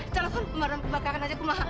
celupkan kembaran kebakaran aja kemahir